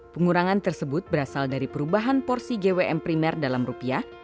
pengurangan tersebut berasal dari perubahan porsi gwm primer dalam rupiah